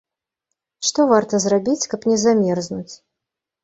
Што варта зрабіць, каб не замерзнуць?